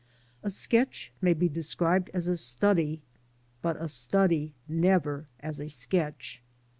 A sketch may be described as a study, but a study never as a sketch.